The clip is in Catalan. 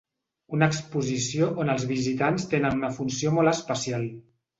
Una exposició on els visitants tenen una funció molt especial.